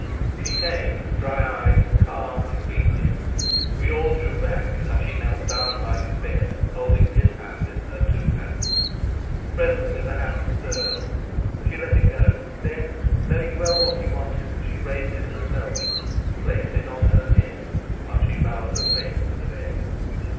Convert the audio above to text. She came, dry eyed, calm, and queenly. We all drew back, and she knelt down by his bed, holding his hand in her two hands. Presently the hand stirred; she let it go; then, knowing well what he wanted, she raised it herself and placed it on her head, while she bowed her face to the bed.